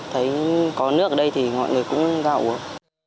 thấy có nước ở đây thì mọi người cũng gạo uống